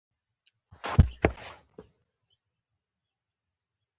د واورئ برخه د پښتو ژبې د توزیع لپاره ډېره مهمه ده.